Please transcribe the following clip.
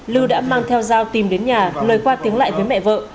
lưu đã mang theo dao tìm đến nhà lời qua tiếng lại với mẹ vợ